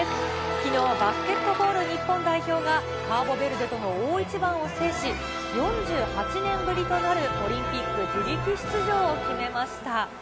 きのう、バスケットボール日本代表がカーボベルデとの大一番を制し、４８年ぶりとなるオリンピック自力出場を決めました。